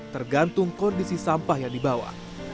tergantung kondisi sampah yang dibawa